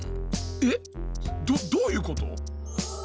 えっ⁉どどういうこと？